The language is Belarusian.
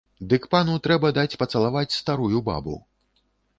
Дык пану трэба даць пацалаваць старую бабу.